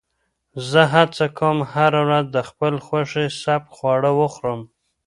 زه هڅه کوم هره ورځ د خپل خوښې سپک خواړه وخورم.